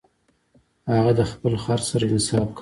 هغه د خپل خر سره انصاف کاوه.